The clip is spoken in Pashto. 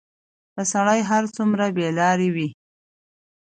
که سړى هر څومره بېلارې وي،